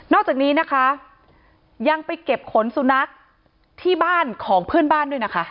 อกจากนี้นะคะยังไปเก็บขนสุนัขที่บ้านของเพื่อนบ้านด้วยนะคะ